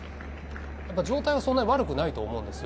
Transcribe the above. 状態はそんなに悪くないと思うんですよ。